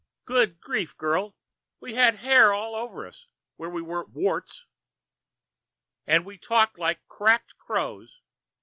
Good grief, girl! We had hair all over us where we weren't warts. And we talked like cracked crows.